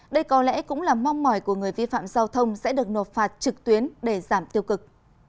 đây có lẽ cũng là mong mỏi của người vi phạm giao thông sẽ được nộp phạt trực tuyến để giảm tiêu cực